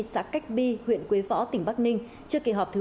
xã cách bi huyện quế võ tỉnh bắc ninh trước kỳ họp thứ bảy